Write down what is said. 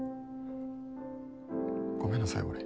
ごめんなさい俺。